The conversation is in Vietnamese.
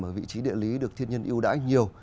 ở vị trí địa lý được thiên nhiên yêu đãi nhiều